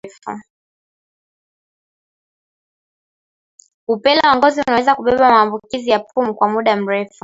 Upele wa ngozi unaweza kubeba maambukizi ya pumu kwa muda mrefu